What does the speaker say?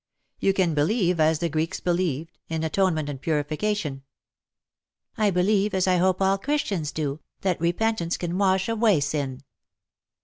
You can believe, as the Greeks believed, in atone ment and purification/'' " I believe, as I hope all Christians do, that repentance can wash away sin.